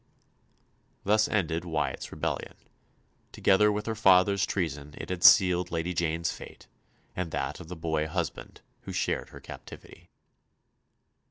Thus ended Wyatt's rebellion. Together with her father's treason, it had sealed Lady Jane's fate, and that of the boy husband who shared her captivity.